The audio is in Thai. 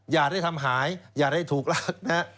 อย่าได้ทำหายอย่าได้ถูกรักนะฮะ